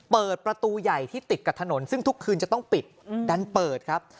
เปิดประตูใหญ่ที่ติดกับถนนซึ่งทุกคืนจะต้องปิดดันเปิดครับ